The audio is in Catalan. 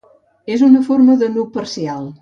És una forma de nu parcial.